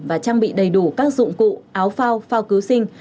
và trang bị đầy đủ các dụng cụ áo phao phao cứu sinh